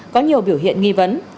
có nhiều biểu hiện nghi vấn